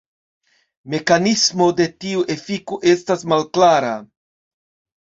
Mekanismo de tiu efiko estas malklara.